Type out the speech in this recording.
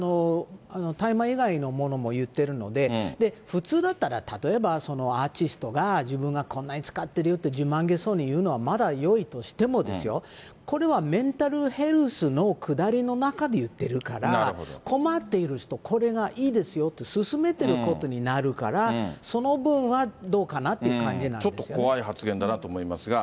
大麻以外のものも言ってるので、普通だったら、例えば、アーティストが自分がこんなに使ってるよって自慢げそうに言うのはまだよいとしてもですよ、これはメンタルヘルスのくだりの中で言ってるから、困っている人、これがいいですよって勧めてることになるから、ちょっと怖い発言だなと思いますが。